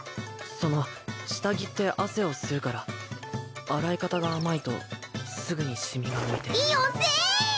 その下着って汗を吸うから洗い方が甘いとすぐにシミが浮いてよせ！